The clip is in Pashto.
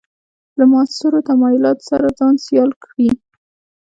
له معاصرو تمایلاتو سره ځان سیال کړي.